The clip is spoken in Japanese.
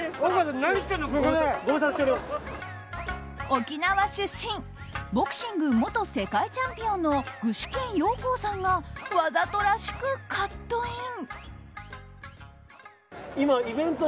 沖縄出身ボクシング元世界チャンピオンの具志堅用高さんがわざとらしくカットイン。